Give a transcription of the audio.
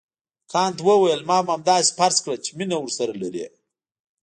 کانت وویل ما هم همداسې فرض کړه چې مینه ورسره لرې.